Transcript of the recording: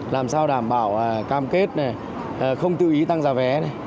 làm sao đảm bảo cam kết không tự ý tăng giá vé